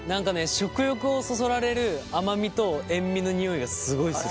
食欲をそそられる甘みと塩味の匂いがすごいする。